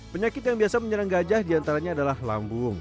penyakit yang biasa menyerang gajah diantaranya adalah lambung